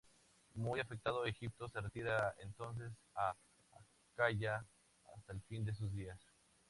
Muy afectado, Egipto se retiró entonces a Acaya hasta el fin de sus días.